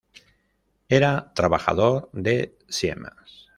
Era trabajador de Siemens.